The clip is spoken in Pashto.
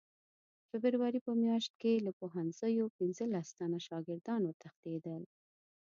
د فبروري په میاشت کې له پوهنځیو پنځلس تنه شاګردان وتښتېدل.